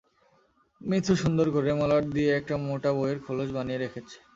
মিথু সুন্দর করে মলাট দিয়ে একটা মোটা বইয়ের খোলস বানিয়ে রেখেছে।